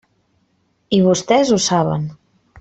I vostès ho saben.